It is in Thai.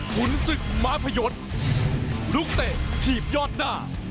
ขุนศึกม้าพยศลุกเตะถีบยอดหน้า